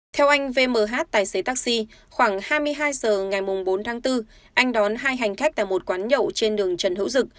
theo anh vmh tài xế taxi khoảng hai mươi hai h ngày bốn tháng bốn anh đón hai hành khách tại một quán nhậu trên đường trần hữu dực